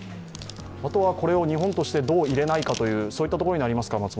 これを日本としてどう入れないかといったところになりますか？